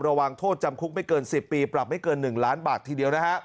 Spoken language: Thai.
ระวังโทษจำคุกไม่เกิน๑๐ปีปรับไม่เกิน๑ล้านบาททีเดียวนะฮะ